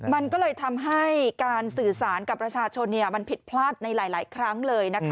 มันก็เลยทำให้การสื่อสารกับประชาชนมันผิดพลาดในหลายครั้งเลยนะคะ